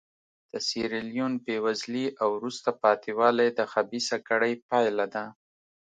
د سیریلیون بېوزلي او وروسته پاتې والی د خبیثه کړۍ پایله ده.